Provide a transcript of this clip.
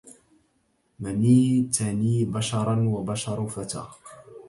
منيتني بشرا وبشر فتى